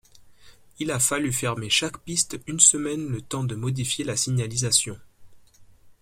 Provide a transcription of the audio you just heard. Il a fallu fermer chaque piste une semaine le temps de modifier la signalisation.